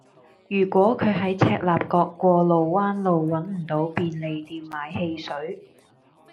如果佢喺赤鱲角過路灣路搵唔到便利店買汽水